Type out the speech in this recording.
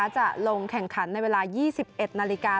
จะลงแข่งขันในเวลา๒๑นาฬิกา